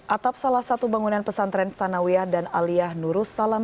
atap salah satu bangunan pesantren sanawiyah dan aliyah nurussalam